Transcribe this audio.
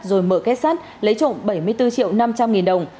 rồi mở kết sắt lấy trộm bảy mươi bốn triệu năm trăm linh nghìn đồng